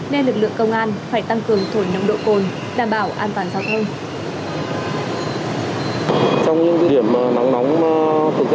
nên lực lượng công an phải tăng cường thổi nồng độ cồn đảm bảo an toàn giao thông